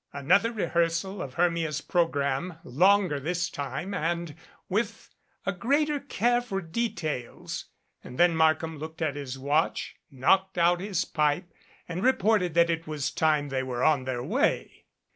Another rehearsal of Hermia's program, longer this time and with a greater care for details ; and then Mark ham looked at his watch, knocked out his pipe, and re ported that it was time they were on their way.